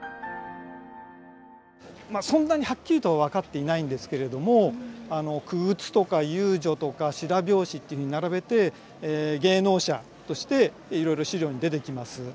そんなにはっきりとは分かっていないんですけれども傀儡とか遊女とか白拍子っていうふうに並べて芸能者としていろいろ資料に出てきます。